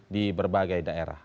di berbagai daerah